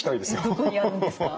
どこにあるんですか？